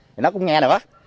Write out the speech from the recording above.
thì nó cũng nghe được á